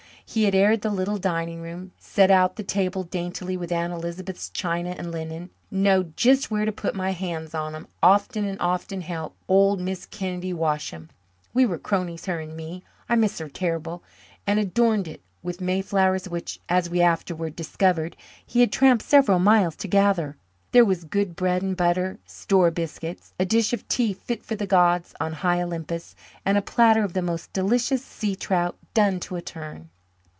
He had aired the little dining room, set out the table daintily with Aunt Elizabeth's china and linen "knowed jest where to put my hands on 'em often and often helped old Miss Kennedy wash 'em. We were cronies, her and me. I miss her terrible" and adorned it with mayflowers which, as we afterwards discovered, he had tramped several miles to gather. There was good bread and butter, "store" biscuits, a dish of tea fit for the gods on high Olympus, and a platter of the most delicious sea trout, done to a turn.